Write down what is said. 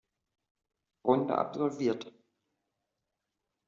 Runde absolviert.